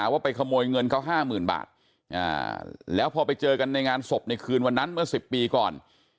ว่าไปขโมยเงินเขา๕๐๐๐บาทแล้วพอไปเจอกันในงานศพในคืนวันนั้นเมื่อ๑๐ปีก่อน